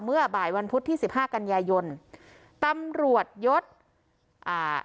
เมื่อบ่ายวันพุธที่สิบห้ากันยายนตำรวจยศอ่า